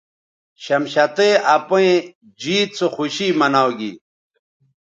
شمشتئ اپئیں جیت سو خوشی مناؤ گی